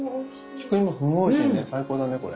菊芋すんごいおいしいね最高だねこれ。